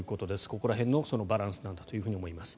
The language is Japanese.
ここら辺のバランスなんだと思います。